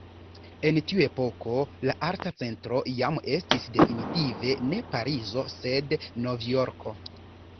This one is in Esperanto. En tiu epoko la arta centro jam estis definitive ne Parizo sed Novjorko.